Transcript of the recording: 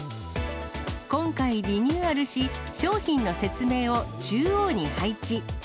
今回リニューアルし、商品の説明を中央に配置。